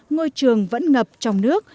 ngôi trường vẫn ngập trong nước